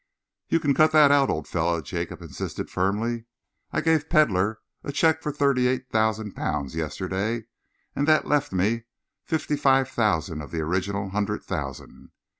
"You can cut that out, old fellow," Jacob insisted firmly. "I gave Pedlar a cheque for thirty eight thousand pounds yesterday, and that left me fifty five thousand of the original hundred thousand.